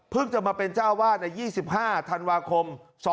เพิ่งจะมาเป็นเจ้าวาดใน๒๕ธันวาคม๒๑๓๙